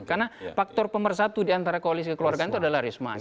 karena faktor pemersatu di antara koalisi keluargaan itu adalah risma